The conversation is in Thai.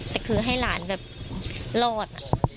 แต่คือให้หลานแบบรอด